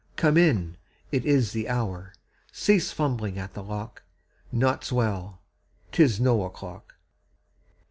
Come in! It is the hour! Cease fumbling at the lock! Naught's well! 'Tis no o'clock!